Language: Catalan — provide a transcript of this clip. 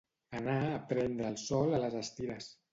Anar a prendre el sol a les Estires.